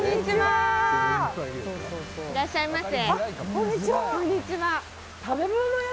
いらっしゃいませ。